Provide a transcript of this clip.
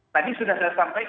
tadi sudah saya sampaikan